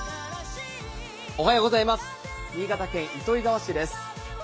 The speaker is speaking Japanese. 新潟県糸魚川市です。